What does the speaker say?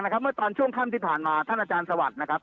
เพราะว่าเมื่อตอนช่วงขั้นที่ผ่านมาท่านอาจารย์สวัสดิ์นะครับ